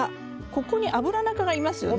ここにアブラナ科がいますよね。